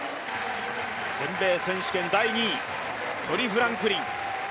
全米選手権第２位、トリ・フランクリン。